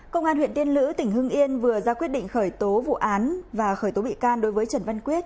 công an huyện tiên lữ tỉnh hưng yên vừa ra quyết định khởi tố vụ án và khởi tố bị can đối với trần văn quyết